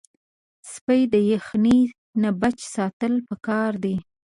سپي د یخنۍ نه بچ ساتل پکار دي.